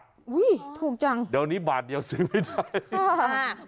อุ้ยถูกจังแล้วนี้บาทเดียวซื้อไม่ได้